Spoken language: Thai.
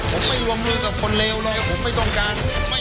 ผมไม่รวมเรื่องกับคนเลวเลยผมไม่ต้องการ